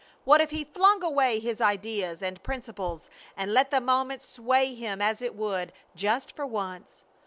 What if he flung away his ideas and principles and let the moment sway him as it would, just for once?